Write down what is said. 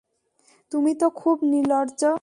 তুমি তো খুব নির্লজ্জ।